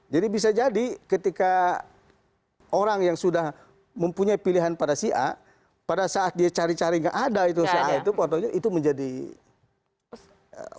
jadi bisa jadi ketika orang yang sudah mempunyai pilihan pada si a pada saat dia cari cari gak ada itu si a itu potoknya itu menjadi problem tersebut